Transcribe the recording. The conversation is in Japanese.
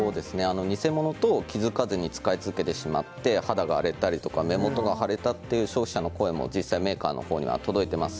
偽物と気付かずに使い続けてしまって肌が荒れたり目元が腫れたという消費者の声もメーカーに実際に届いています。